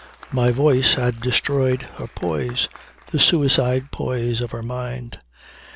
My voice had destroyed her poise the suicide poise of her mind.